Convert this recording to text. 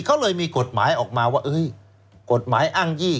เขาเลยมีกฎหมายออกมาว่ากฎหมายอ้างยี่